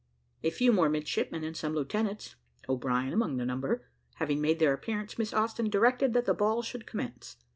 A few more midshipmen and some lieutenants (O'Brien among the number) having made their appearance, Miss Austin directed that the ball should commence.